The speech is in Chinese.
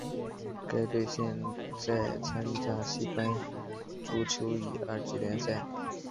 该队现在参加西班牙足球乙二级联赛。